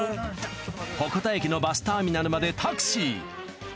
鉾田駅のバスターミナルまでタクシー。